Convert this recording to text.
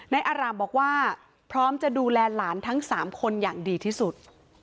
อารามบอกว่าพร้อมจะดูแลหลานทั้ง๓คนอย่างดีที่สุด